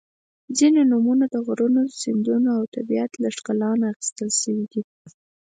• ځینې نومونه د غرونو، سیندونو او طبیعت له ښکلا نه اخیستل شوي دي.